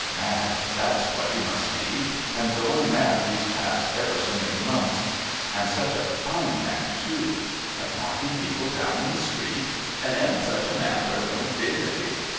Mad, that's what he must be, and going mad these past ever so many months. And such a fine man too! But knocking people down in the street, and 'im such a man for his own dignity!